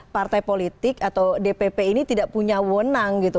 partai politik atau dpp ini tidak punya wonang gitu